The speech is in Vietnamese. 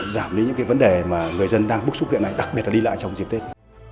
giảm đi những cái vấn đề mà người dân đang bức xúc hiện nay đặc biệt là đi lại trong dịp tết